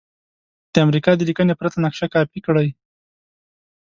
د امریکا د لیکنې پرته نقشه کاپې کړئ.